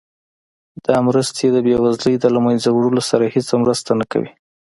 دا مرستې د بیوزلۍ د له مینځه وړلو سره هیڅ مرسته نه کوي.